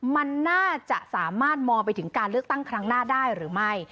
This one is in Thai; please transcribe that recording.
มันน่าจะสามารถมองไปถึงการเลือกตั้งครั้งหน้าได้หรือไม่